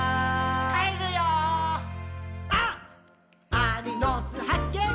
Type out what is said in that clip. アリの巣はっけん